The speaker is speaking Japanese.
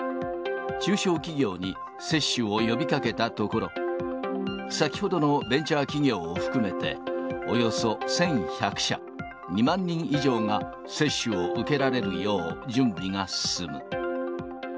中小企業に接種を呼びかけたところ、先ほどのベンチャー企業を含めて、およそ１１００社、２万人以上が接種を受けられるよう、準備が進む。